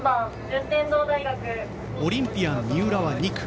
オリンピアン三浦は２区。